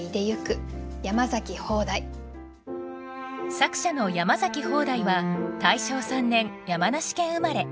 作者の山崎方代は大正３年山梨県生まれ。